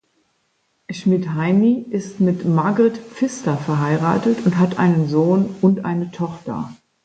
Schmidheiny ist mit Margrit Pfister verheiratet und hat einen Sohn und eine Tochter.